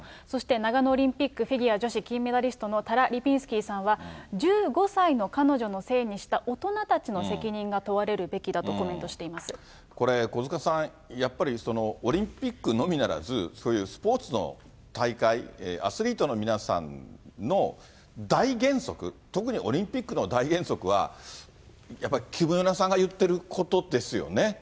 そして長野オリンピックフィギュア女子金メダリストのタラ・リピンスキーさんは、１５歳の彼女のせいにした大人たちの責任が問わこれ、小塚さん、やっぱりオリンピックのみならず、そういうスポーツの大会、アスリートの皆さんの大原則、特にオリンピックの大原則は、やっぱりキム・ヨナさんが言ってることですよね。